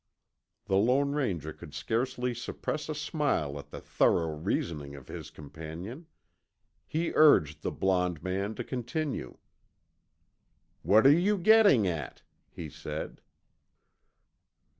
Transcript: The Lone Ranger could scarcely suppress a smile at the thorough reasoning of his companion. He urged the blond man to continue. "What are you getting at?" he said.